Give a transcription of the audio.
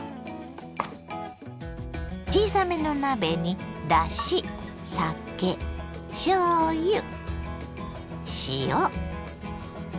小さめの鍋にだし酒しょうゆ塩